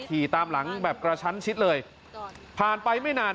ขี่ตามหลังแบบกระชั้นชิดเลยผ่านไปไม่นาน